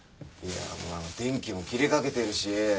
電気も切れかけてるし。